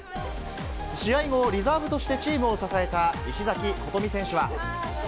試合後、リザーブとしてチームを支えた石崎琴美選手は。